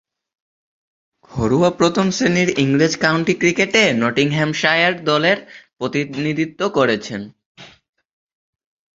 ঘরোয়া প্রথম-শ্রেণীর ইংরেজ কাউন্টি ক্রিকেটে নটিংহ্যামশায়ার দলের প্রতিনিধিত্ব করেছেন।